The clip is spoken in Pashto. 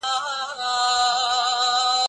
لمر کله هم دېوالونو ته تودوخه نه ورکوي.